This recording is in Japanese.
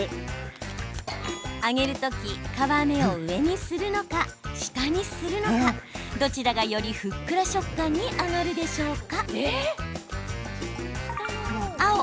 揚げる時、皮目を上にするのか下にするのかどちらが、よりふっくら食感に揚がるでしょうか？